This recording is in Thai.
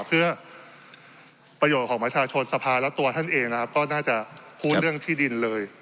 เพื่อประโยชน์ของประชาชนสภาและตัวท่านเองนะครับก็น่าจะพูดเรื่องที่ดินเลย